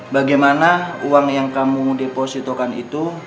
bagaimana uang yang kamu depositokan itu